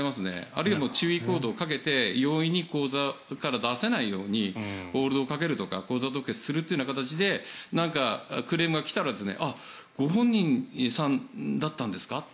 あるいは注意コードをかけて容易に口座から出せないようにホールドをかけるとか口座凍結するという形で何かクレームが来たらあ、ご本人さんだったんですか？